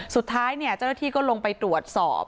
สุดท้ายเจ้าหน้าที่ก็ลงไปตรวจสอบ